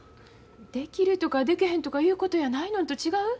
できるとかでけへんとかいうことやないのんと違う？